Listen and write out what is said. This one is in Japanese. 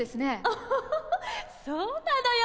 オホホホそうなのよ